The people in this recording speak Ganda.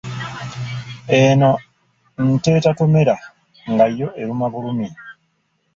Eno nte etatomera nga yo eruma bulumi.